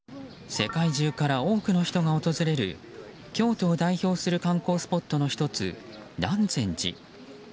世界中から多くの人が訪れる京都を代表する観光スポットの１つ、南禅寺。